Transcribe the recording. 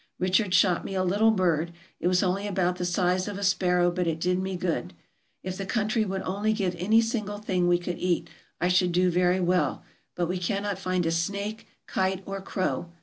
Richard shot me a little bird. It was only about the size of a sparrow, but it did me good. If the country would only give any single thing we could eat I should do very well, but we cannot find a snake, kite, or crow.